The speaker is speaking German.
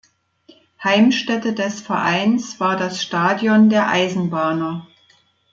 Heimstätte des Vereins war das "Stadion der Eisenbahner".